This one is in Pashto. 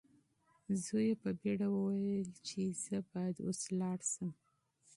زوی یې په بیړه وویل چې زه باید اوس لاړ شم.